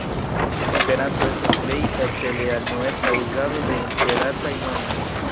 Konkeranto estas kreita cele al unueca uzado de Interretaj normoj.